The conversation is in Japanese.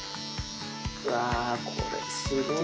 うわこれすごい。